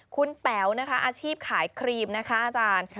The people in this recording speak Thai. คุณแป๋วนะคะอาชีพขายครีมนะคะอาจารย์